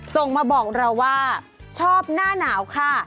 ส่งมาบอกเราว่าชอบหน้าหนาวค่ะ